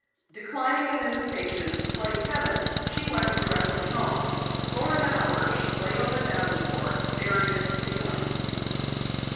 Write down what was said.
Declining an invitation to play tennis, she went directly home. For an hour she lay on the davenport, staring at the ceiling.